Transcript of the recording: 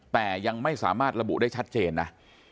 แต่ยังไม่สามารถระบุได้ชัดเจนนะ